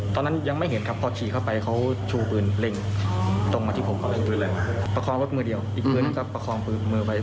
ตอนนั้นยังไม่เห็นพอฉีกเข้าไป